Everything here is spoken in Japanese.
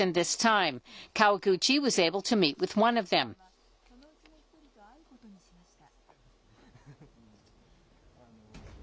川口さんは、そのうちの一人と会うことにしました。